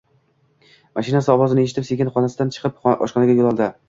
Mashinasi ovozini eshitib, sekin xonasidan chiqib oshxonaga yo`l oldi